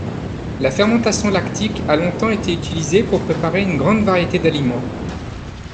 La fermentation lactique a longtemps été utilisée pour préparer une grande variété d'aliments.